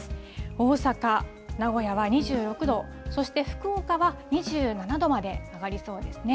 大阪、名古屋は２６度、そして福岡は２７度まで上がりそうですね。